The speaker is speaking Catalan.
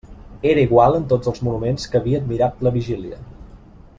Era igual en tots els monuments que havia admirat la vigília.